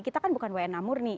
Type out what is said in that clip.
kita kan bukan wna murni